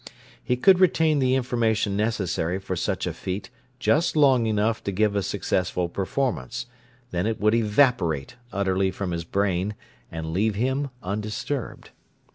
He could retain the information necessary for such a feat just long enough to give a successful performance; then it would evaporate utterly from his brain, and leave him undisturbed.